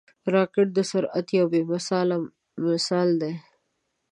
راکټ د سرعت یو بې مثاله مثال دی